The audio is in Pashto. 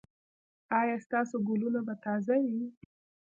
ایا ستاسو ګلونه به تازه وي؟